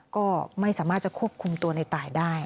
ก็ไม่สามารถจะควบคุมตัวในตายได้